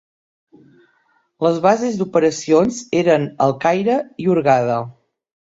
Les bases d'operacions eren el Caire i Hurghada.